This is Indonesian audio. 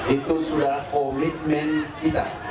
itu sudah komitmen kita